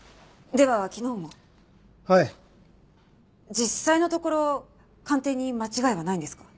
実際のところ鑑定に間違いはないんですか？